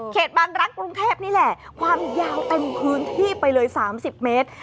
บางรักกรุงเทพนี่แหละความยาวเต็มพื้นที่ไปเลย๓๐เมตร